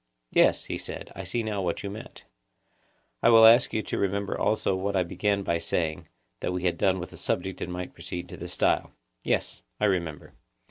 Yes, he said; I see now what you meant. I will ask you to remember also what I began by saying, that we had done with the subject and might proceed to the style. Yes, I remember.